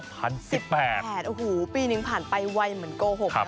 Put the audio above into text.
ภายใดแล้วปีนึงผ่านหลายหมดเก่าหกกันนะครับ